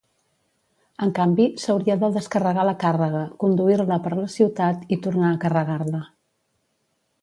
En canvi, s'hauria de descarregar la càrrega, conduir-la per la ciutat i tornar a carregar-la.